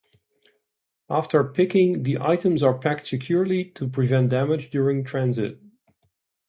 After picking, the items are packed securely to prevent damage during transit.